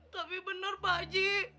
tapi benar pak haji